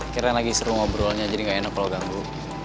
kita lagi seru ngobrolnya jadi gak enak kalau ganggu